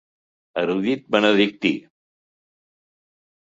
Erudit benedictí.